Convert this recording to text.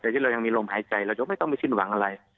แต่ที่เรายังมีลมหายใจเรายกไม่ต้องไปสิ้นหวังอะไร